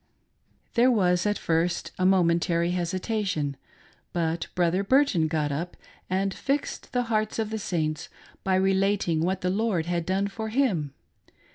There was at first a momentary hesitation, but Brother' Burton got up and fixed the hearts of the Saints by relating what the Lord had done for him.